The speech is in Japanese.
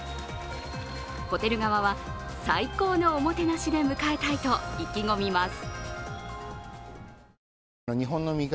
ホテル側は最高のおもてなしで迎えたいと意気込みます。